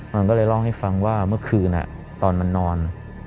มันก็เลยเล่าให้ฟังว่าเมื่อคืนตอนมันนอน